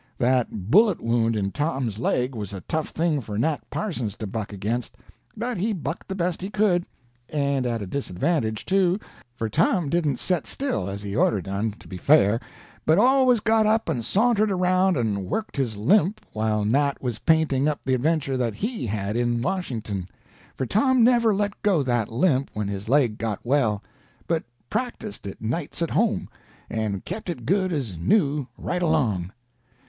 That bullet wound in Tom's leg was a tough thing for Nat Parsons to buck against, but he bucked the best he could; and at a disadvantage, too, for Tom didn't set still as he'd orter done, to be fair, but always got up and sauntered around and worked his limp while Nat was painting up the adventure that he had in Washington; for Tom never let go that limp when his leg got well, but practiced it nights at home, and kept it good as new right along.